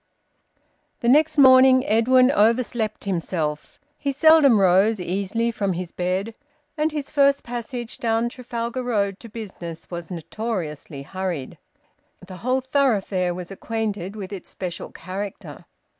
The next morning Edwin overslept himself. He seldom rose easily from his bed, and his first passage down Trafalgar Road to business was notoriously hurried; the whole thoroughfare was acquainted with its special character.